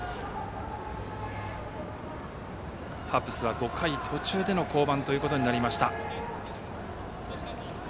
ハッブスは５回途中での降板となりました。